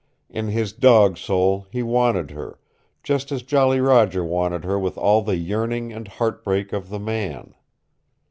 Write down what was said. In his dog soul he wanted her, just as Jolly Roger wanted her with all the yearning and heartbreak of the man.